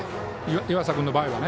岩佐君の場合はね。